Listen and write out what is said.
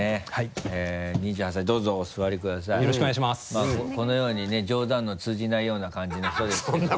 まぁこのようにね冗談の通じないような感じの人ですけども。